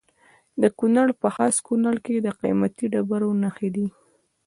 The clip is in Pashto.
د کونړ په خاص کونړ کې د قیمتي ډبرو نښې دي.